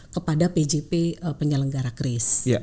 kepada pjp penyelenggara kris